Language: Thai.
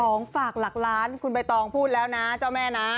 ของฝากหลักล้านคุณใบตองพูดแล้วนะเจ้าแม่นะ